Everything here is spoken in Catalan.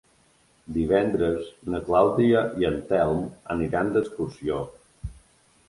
Divendres na Clàudia i en Telm aniran d'excursió.